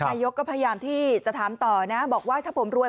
นายกก็พยายามที่จะถามต่อนะบอกว่าถ้าผมรวย